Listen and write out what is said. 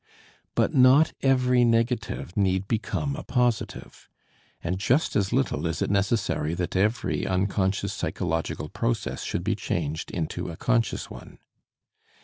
But not every negative need become a positive, and just as little is it necessary that every unconscious psychological process should be changed into a conscious one.